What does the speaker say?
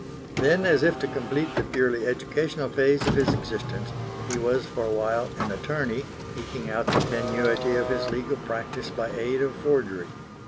Then, as if to complete the purely educational phase of his existence, he was for a while an attorney, eking out the tenuity of his legal practice by aid of forgery.